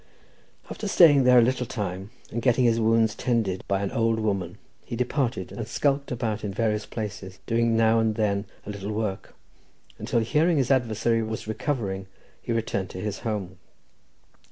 After staying there a little time, and getting his wounds tended by an old woman, he departed, and skulked about in various places, doing now and then a little work, until, hearing his adversary was recovering, he returned to his home.